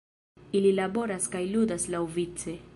Ili laboras kaj ludas laŭvice.